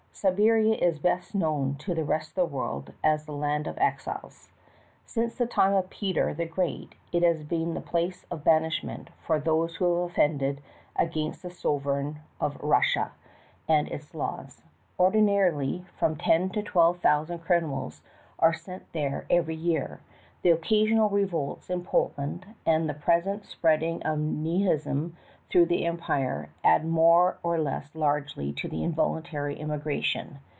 Siberia is best known to the rest of the world as the land of exiles. Since the time of Peter the Great it has been the place of banishment for those who offend against the sovereign of Russia STOPPED BY RUSSIAN ROBBERS. 227 and its laws. Ordinarily from ten to twelve thousand criminals are sent there every year ; the occasional revolts in Poland and the present spread of nihilism through the empire add more or less largely to the involuntary emigration.